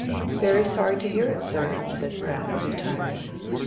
"Very sorry to hear it, sir," said Pratt, retiring.